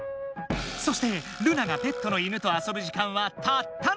そして「ルナがペットの犬と遊ぶ時間」はたったの１秒！